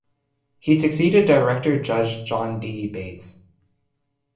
He succeeded Director Judge John D. Bates.